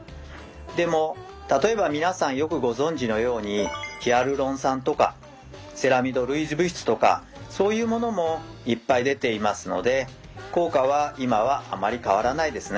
でも例えば皆さんよくご存じのようにヒアルロン酸とかセラミド類似物質とかそういうものもいっぱい出ていますので効果は今はあまり変わらないですね。